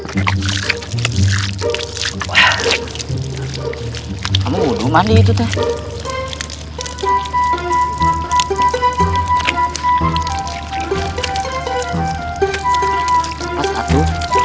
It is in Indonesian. kamu dulu mandi itu